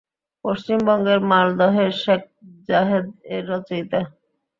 পশ্চিমবঙ্গের মালদহের শেখ জাহেদ এর রচয়িতা।